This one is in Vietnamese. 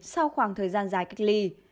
sau khoảng thời gian dài cách ly